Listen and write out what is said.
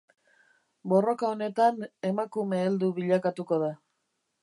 Borroka honetan emakume heldu bilakatuko da.